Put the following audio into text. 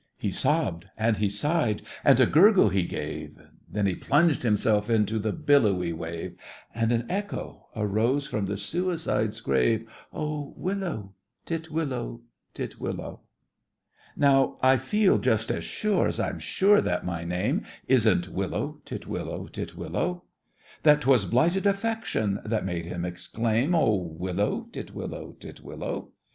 He sobbed and he sighed, and a gurgle he gave, Then he plunged himself into the billowy wave, And an echo arose from the suicide's grave— "Oh, willow, titwillow, titwillow!" Now I feel just as sure as I'm sure that my name Isn't Willow, titwillow, titwillow, That 'twas blighted affection that made him exclaim "Oh, willow, titwillow, titwillow!"